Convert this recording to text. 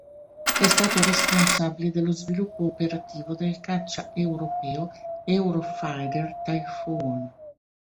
È stato responsabile dello sviluppo operativo del caccia europeo Eurofighter Typhoon.